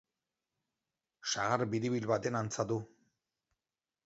Sagar biribil baten antza du.